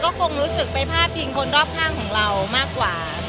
ก็คงรู้สึกไปพาดพิงคนรอบข้างของเรามากกว่า